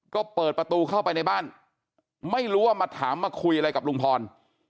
ก็เปิดประตูเข้าไปในบ้านไม่รู้ว่ามาถามมาคุยอะไรกับลุงพร